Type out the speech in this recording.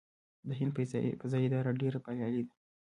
د هند فضايي اداره ډیره بریالۍ ده.